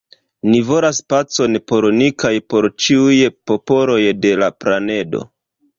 Ni volas pacon por ni kaj por ĉiuj popoloj de la planedo.